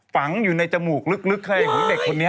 ฝังอยู่ในจมูกลึกอะไรของเด็กคนนี้